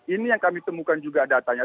ini yang kami temukan juga datanya